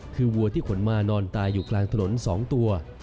คือวัวที่ขนมานอนตายอยู่กลางถนน๒ตัว